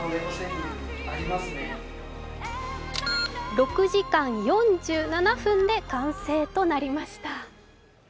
６時間４７分で完成となりました。